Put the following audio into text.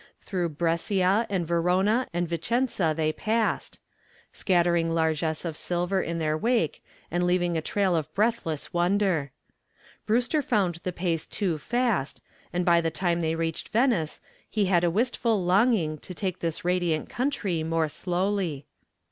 Through Brescia and Verona and Vicenza they passed, scattering largess of silver in their wake and leaving a trail of breathless wonder. Brewster found the pace too fast and by the time they reached Venice he had a wistful longing to take this radiant country more slowly.